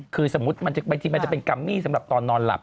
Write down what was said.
คือสมมุติบางทีมันจะเป็นกัมมี่สำหรับตอนนอนหลับ